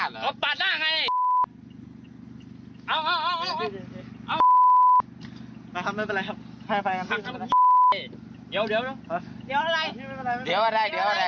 ก็ออกมาก่อนไงปาดหน้ากูไง